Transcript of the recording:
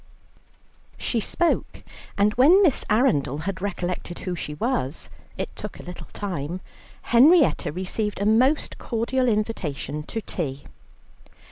She spoke, and when Miss Arundel had recollected who she was (it took a little time), Henrietta received a most cordial invitation to tea.